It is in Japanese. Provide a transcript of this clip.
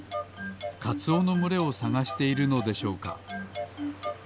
カツオのむれをさがしているのでしょうか。